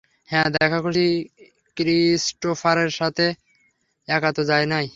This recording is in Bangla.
হ্যাঁ, দেখা করছি ক্রিস্টোফারের সাথে, একা তো যাই নাই।